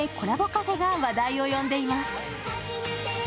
カフェが話題を呼んでいます。